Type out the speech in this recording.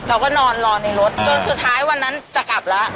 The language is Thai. เราก็นอนรอในรถจนสุดท้ายวันนั้นจะกลับแล้ว